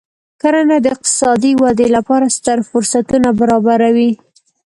کرنه د اقتصادي ودې لپاره ستر فرصتونه برابروي.